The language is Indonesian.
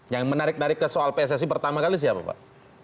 yang menarik narik ke soal pssi pertama kali siapa pak